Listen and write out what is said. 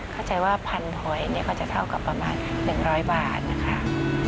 เข้าใจว่าพันหอยก็จะเท่ากับประมาณ๑๐๐บาทนะคะ